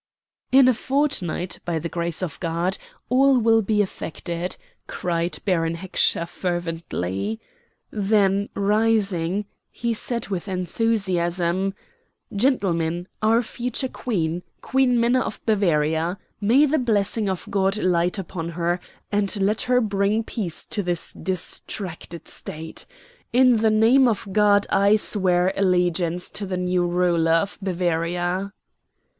"In a fortnight, by the grace of God, all will be effected," cried Baron Heckscher fervently. Then, rising, he said with enthusiasm: "Gentlemen, to our future Queen Queen Minna of Bavaria. May the blessing of God light upon her, and let her bring peace to this distracted State. In the name of God I swear allegiance to the new ruler of Bavaria."